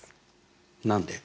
何で？